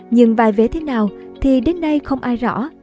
nhưng vài vé thế nào thì đến nay không ai rõ